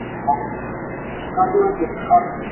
محصل د ليکني دقت لوړوي.